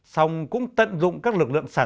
xong cũng tận dụng các lực lượng sản xuất